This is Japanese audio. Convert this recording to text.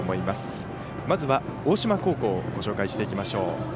まずは大島高校ご紹介していきましょう。